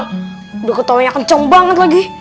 udah ketawanya kenceng banget lagi